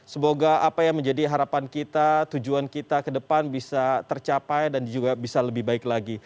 semoga apa yang menjadi harapan kita tujuan kita ke depan bisa tercapai dan juga bisa lebih baik lagi